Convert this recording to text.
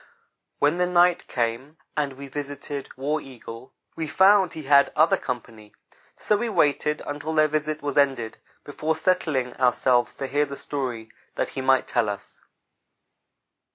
When the night came and we visited War Eagle, we found he had other company so we waited until their visit was ended before settling ourselves to hear the story that he might tell us.